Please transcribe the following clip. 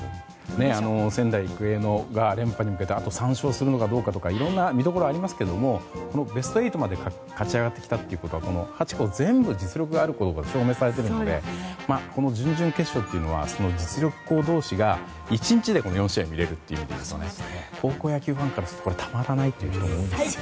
仙台育英が連覇に向けてあと３勝するのかどうかとかいろんな見どころがありますけれどもベスト８まで勝ち上がってきたということは８校全部実力があることが証明されているので準々決勝というのは明日の実力校同士が１日で４試合見れるという高校野球ファンからするとたまらないという人が多いでしょうね。